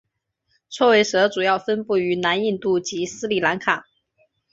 锉尾蛇主要分布于南印度及斯里兰卡。